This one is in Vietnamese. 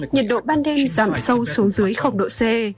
nhiệt độ ban đêm giảm sâu xuống dưới độ c